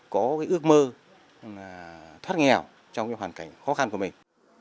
có cái ước mơ thoát nghèo trong cái hoàn cảnh khó khăn của mình